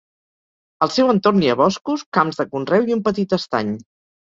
Al seu entorn hi ha boscos, camps de conreu i un petit estany.